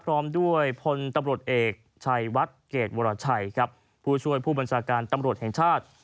พร้อมด้วยพลตำรวจเอกชัยวัดเกรดวรชัยครับผู้ช่วยผู้บัญชาการตำรวจแห่งชาติ